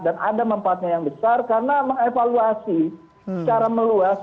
dan ada manfaatnya yang besar karena mengevaluasi secara meluas